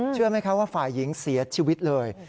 เชื่อไหมคะว่าฝ่ายหญิงเสียชีวิตเลย